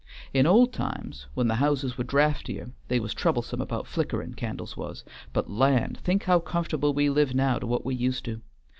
In old times when the houses were draftier they was troublesome about flickering, candles was; but land! think how comfortable we live now to what we used to!